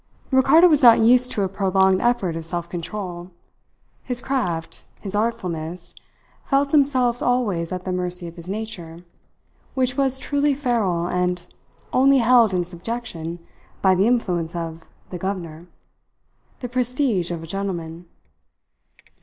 Ricardo was not used to a prolonged effort of self control. His craft, his artfulness, felt themselves always at the mercy of his nature, which was truly feral and only held in subjection by the influence of the "governor," the prestige of a gentleman.